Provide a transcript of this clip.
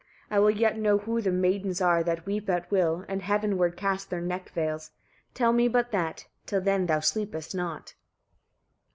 I will yet know who the maidens are, that weep at will, and heavenward cast their neck veils? Tell me but that: till then thou sleepest not."